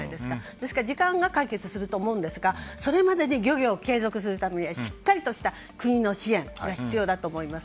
ですから時間が解決すると思うんですがそれまでに漁業を継続するためにしっかりとした国の支援が必要だと思います。